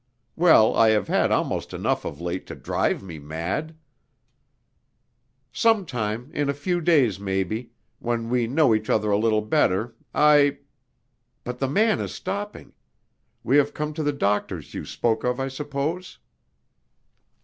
Well, I have had almost enough of late to drive me mad. Some time, in a few days maybe, when we know each other a little better, I But the man is stopping. We have come to the doctor's you spoke of, I suppose?"